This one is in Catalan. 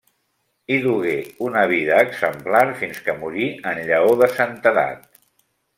Hi dugué una vida exemplar fins que morí en llaor de santedat.